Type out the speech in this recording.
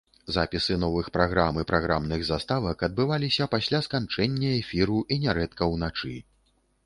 Запісы новых праграм і праграмных заставак адбываліся пасля сканчэння эфіру і нярэдка ўначы.